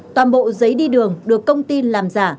toàn bộ giấy đi đường được công ty làm giả